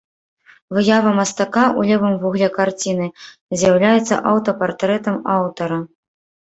Выява мастака ў левым вугле карціны з'яўляецца аўтапартрэтам аўтара.